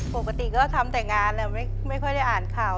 ปกติก็ทำแต่งานแหละไม่ค่อยได้อ่านข่าว